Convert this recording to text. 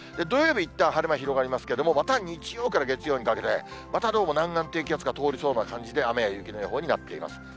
土曜日いったん晴れ間広がりますけれども、また日曜から月曜にかけて、またどうも南岸低気圧が通りそうな感じで、雨や雪の予報になっています。